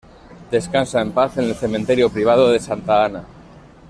Descansa en paz en el cementerio privado de Santa Ana.